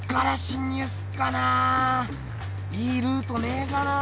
いいルートねえかな？